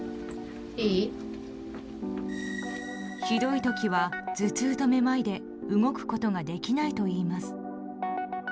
ひどい時は頭痛とめまいで動くことができないといいます。